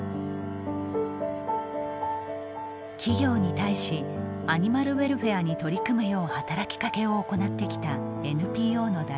企業に対しアニマルウェルフェアに取り組むよう働きかけを行ってきたＮＰＯの代表